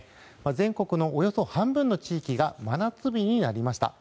全国のおよそ半分の地域が真夏日になりました。